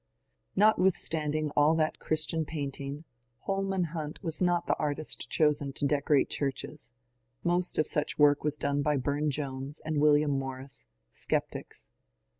Notwithstanding all that Christian painting, Holman Hunt was not the artist chosen to decorate churches ; most of such work was done by Bume Jones and William Morris — scep tics.